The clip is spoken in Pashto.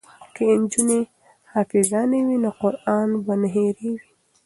که نجونې حافظانې وي نو قران به نه هیریږي.